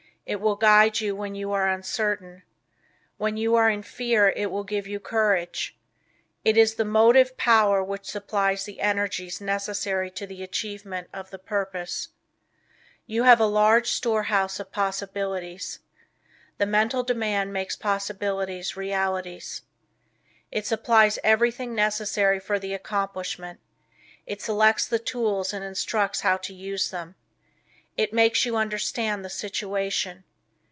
It will guide you when you are uncertain. When you are in fear it will give you courage. It is the motive power which supplies the energies necessary to the achievement of the purpose. You have a large store house of possibilities. The Mental Demand makes possibilities realities. It supplies everything necessary for the accomplishment, it selects the tools and instructs how to use them. It makes you understand the situation.